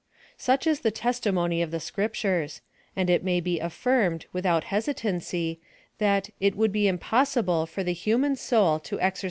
Such is the testimony of the Scriptures ; and it may be afllrmcd, without hesitancy, that it would be impossible for the human soul to excrc.